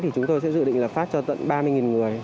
thì chúng tôi sẽ dự định là phát cho tận ba mươi người